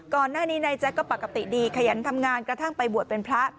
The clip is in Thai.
ก่อนหน้านี้นายแจ๊กก็ปกติดีขยันทำงานกระทั่งไปบวชเป็นพระ